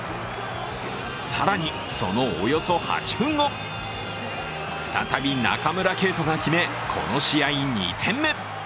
更に、そのおよそ８分後再び中村敬斗が決め、この試合２点目。